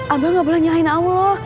abah gak boleh nyalahin allah